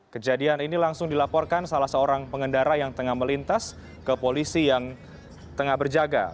kejadian ini langsung dilaporkan salah seorang pengendara yang tengah melintas ke polisi yang tengah berjaga